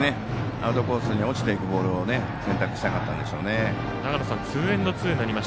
アウトコースに落ちていくボールを選択したかったんでしょうね。